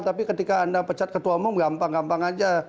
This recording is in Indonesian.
tapi ketika anda pecat ketua umum gampang gampang aja